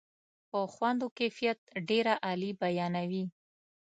په خوند و کیفیت ډېره عالي بیانوي.